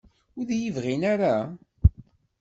Ur d-iyi-bɣin ara?